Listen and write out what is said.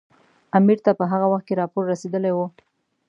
امیر ته په هغه وخت کې راپور رسېدلی وو.